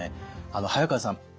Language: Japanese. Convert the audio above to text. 早川さん